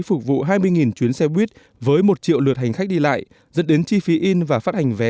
phục vụ hai mươi chuyến xe buýt với một triệu lượt hành khách đi lại dẫn đến chi phí in và phát hành vé